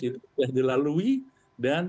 itu telah dilalui dan